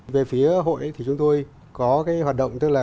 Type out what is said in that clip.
về phía hội thì chúng tôi có cái hoạt động tức là